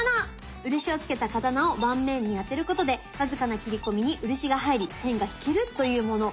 漆をつけた刀を盤面にあてることで僅かな切り込みに漆が入り線が引けるというもの！